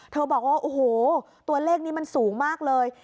บอกว่าโอ้โหตัวเลขนี้มันสูงมากเลย